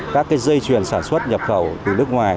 các cái dây chuyển sản xuất nhập khẩu từ nước ngoài